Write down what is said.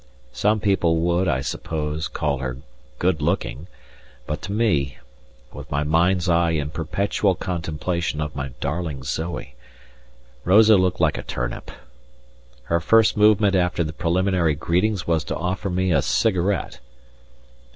Some people would, I suppose, call her good looking, but to me, with my mind's eye in perpetual contemplation of my darling Zoe, Rosa looked like a turnip. Her first movement after the preliminary greetings was to offer me a cigarette!